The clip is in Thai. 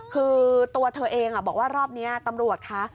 คือตัวเธอเองบอกว่ารอบนี้ตำรวจคะ